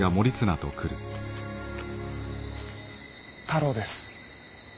太郎です。